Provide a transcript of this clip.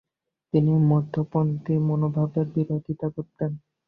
তিনি মধ্যপন্থী মনোভাবের বিরোধিতা করতেন।